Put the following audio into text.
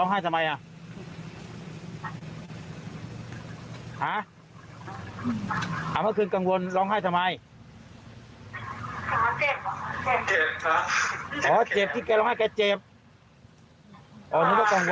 ในบาสกับแฟนสาวก็ให้กลับบ้านได้เหลือทุกคนค่ะ